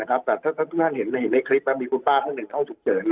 แต่ถ้าทุกคนเห็นในคลิปมีทุกคุณป้าเข้าอุดเจิน